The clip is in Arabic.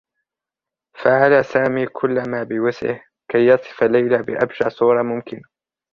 فعل سامي كلّ ما بوسعه كي يصف ليلى بأبشع صورة ممكنة.